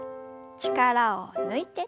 力を抜いて。